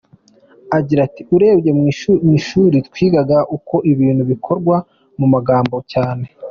Agira ati “Urebye mu ishuri twigaga uko ibintu bikorwa mu magambo cyane.